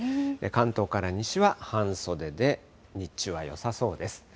関東から西は半袖で、日中はよさそうです。